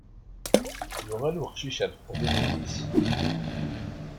Yuɣal weqcic ar teqdimin-is.